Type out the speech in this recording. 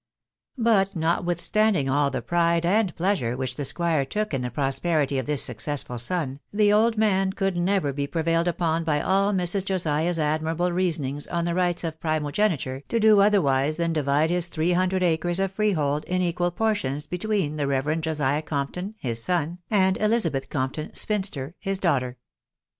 But, notwithstanding all the pride and pleasure which the squire took in the prosperity of this successful son, the old man could never be prevailed Ufjjp by all Mrs. Josiah's admi rable reasonings on the rights of primogeniture, to do otherwise than divide his three hundred acres of freehold in equal por tions between the Reverend Josiah Compton, his son, and Elizabeth Compton, spinster, his daughter.